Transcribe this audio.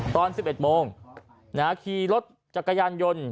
ตอนสิบเอ็ดโมงนะฮะขี่รถจากกระยานยนต์